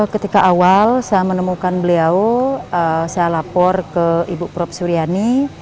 ketika awal saya menemukan beliau saya lapor ke ibu prof suryani